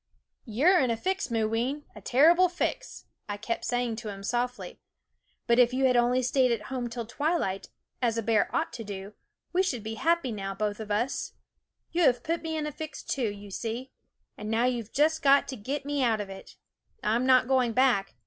" You 're in a fix, Mooween, a terrible fix," I kept saying to him softly ;" but if you THE WOODS had only stayed at home till twilight, as a bear ought to do, we should be happy now, both >,,.,.,, A7 ,. r ' When You Meef of us. You have put me in a fix, too, you see ; and now you Ve just got to get me out of it. I 'm not going back.